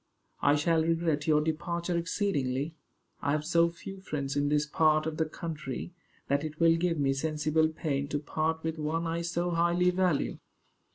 "I shall regret your departure exceedingly. I have so few friends in this part of the country, that it will give me sensible pain to part with one I so highly value."